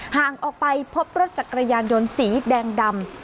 ห่างออกไปพบรถจักรยานยนต์สีแดงดำ